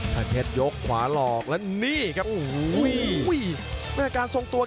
แสนเพชรยกขวาหลอกแล้วนี่ครับ